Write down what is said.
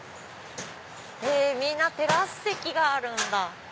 へぇみんなテラス席があるんだ。